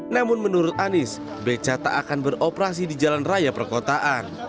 namun menurut anies beca tak akan beroperasi di jalan raya perkotaan